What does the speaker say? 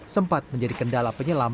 sempat menjadi kendala penyelam